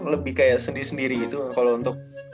lebih kayak sendiri sendiri itu kalau untuk